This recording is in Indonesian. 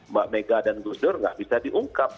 mbak mega dan gus dur nggak bisa diungkap